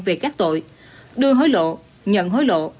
về các tội đưa hối lộ nhận hối lộ